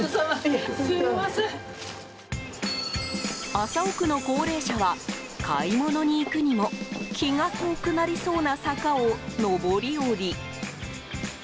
麻生区の高齢者は買い物に行くにも気が遠くなりそうな坂を上り下り。